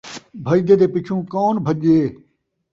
بھڄدے دے پچھوں کون بھڄے